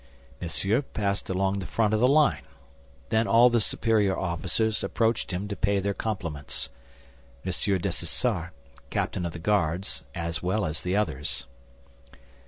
Monsieur passed along the front of the line; then all the superior officers approached him to pay their compliments, M. Dessessart, captain of the Guards, as well as the others.